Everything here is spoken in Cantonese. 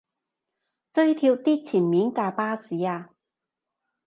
追貼啲前面架巴士吖